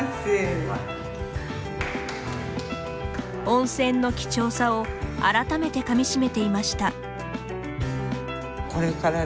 温泉の貴重さを改めてかみしめていました。